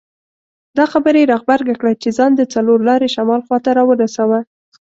دا خبره یې را غبرګه کړه چې ځان د څلور لارې شمال خواته راورساوه.